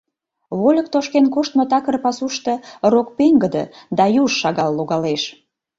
Вольык тошкен коштмо такыр пасушто рок пеҥгыде да юж шагал логалеш.